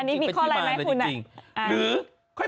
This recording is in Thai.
อันนี้มีข้ออะไรนะคุณนะแล้วจริงหรือค่อย